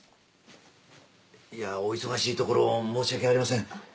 いやお忙しいところ申し訳ありません。